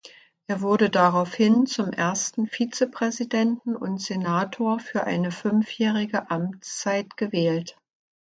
Er wurde daraufhin zum ersten Vizepräsidenten und Senator für eine fünfjährige Amtszeit gewählt.